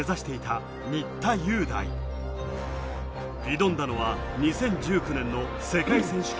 挑んだのは２０１９年の世界選手権